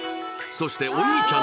そしてお兄ちゃん